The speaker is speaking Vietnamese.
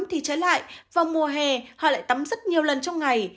thì trái lại vào mùa hè họ lại tắm rất nhiều lần trong ngày